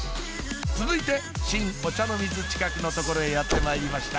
続いて新御茶ノ水近くの所へやってまいりました